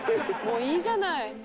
もういいじゃない。